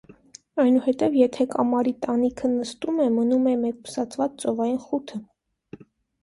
Այնուհետև, եթե կամարի տանիքը նստում է, մնում է մեկուսացված ծովային խութը։